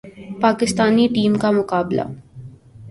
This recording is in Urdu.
پاکستانی ٹیم کا مقابلہ